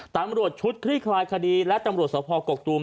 ตำรวจชุดคลี่คลายคดีและตำรวจสภกกตูม